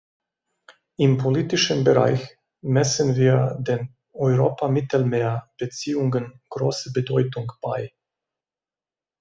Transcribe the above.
Im politischen Bereich messen wir den Europa-Mittelmeer-Beziehungen große Bedeutung bei.